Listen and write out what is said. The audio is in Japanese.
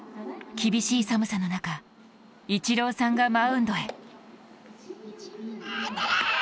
厳しい寒さの中、イチローさんがマウンドへ。